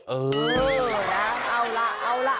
เออนะเอาล่ะเอาล่ะ